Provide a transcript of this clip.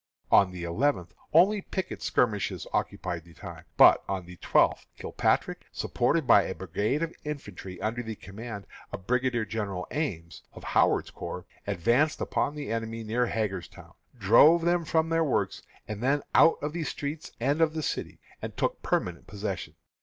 On the eleventh only picket skirmishes occupied the time. But on the twelfth Kilpatrick, supported by a brigade of infantry under the command of Brigadier General Ames, of Howard's Corps, advanced upon the enemy near Hagerstown, drove them from their works, and then out of the streets of the city, and took permanent possession.